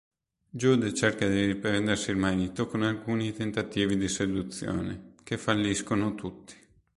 Jude cerca di riprendersi il marito con alcuni tentativi di seduzione, che falliscono tutti.